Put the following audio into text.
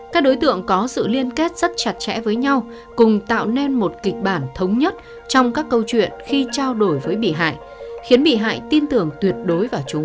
các đối tượng có sự liên kết rất chặt chẽ với nhau cùng tạo nên một kịch bản thống nhất trong các câu chuyện khi trao đổi với bị hại khiến bị hại tin tưởng tuyệt đối